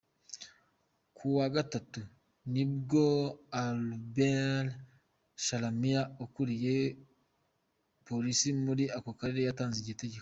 Ku wa gatatu, nibwo Albert Chalamila ukuriye polisi muri ako karera yatanze iryo tegeko.